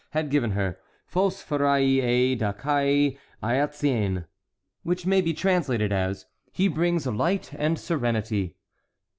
had given her: "Phôs pherei ê de kai a'íthzên;" which may be translated: "He brings light and serenity."